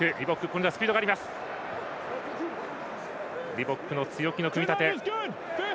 リボックの強気の組み立て。